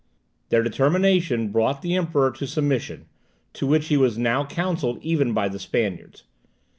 Their determination brought the Emperor to submission, to which he was now counselled even by the Spaniards.